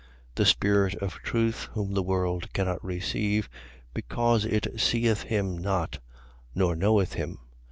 The spirit of truth, whom the world cannot receive, because it seeth him not, nor knoweth him.